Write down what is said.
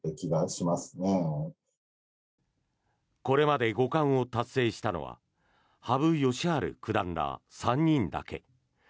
これまで五冠を達成したのは羽生善治九段ら３人だけ。